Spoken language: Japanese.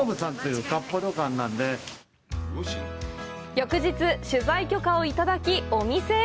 翌日、取材許可をいただき、お店へ！